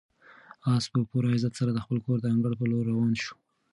آس په پوره عزت سره د خپل کور د انګړ په لور روان شو.